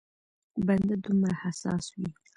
بنده دومره حساس وي.